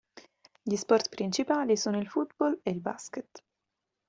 Gli sport principali sono il football e il basket.